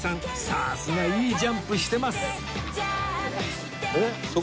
さすがいいジャンプしてます